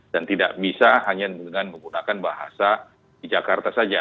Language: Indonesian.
dan tidak bisa hanya dengan menggunakan bahasa di jakarta saja